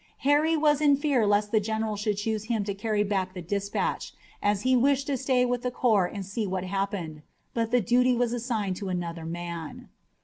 Harry was in fear lest the general should choose him to carry back the dispatch, as he wished to stay with the corps and see what happened, but the duty was assigned to another man.